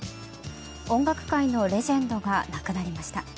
音楽界のレジェンドが亡くなりました。